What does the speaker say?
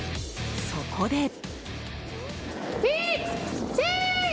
そこで。